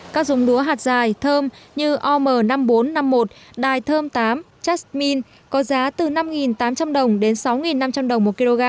các dùng lúa hạt dài thơm như om năm nghìn bốn trăm năm mươi một đài thơm tám chastmin có giá từ năm tám trăm linh đồng đến sáu năm trăm linh đồng